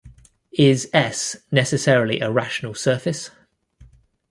Is S necessarily a rational surface?